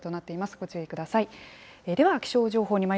ご注意ください。